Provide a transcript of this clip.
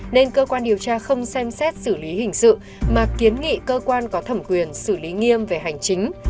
nên cơ quan điều tra không xem xét xử lý hình sự mà kiến nghị cơ quan có thẩm quyền xử lý nghiêm về hành chính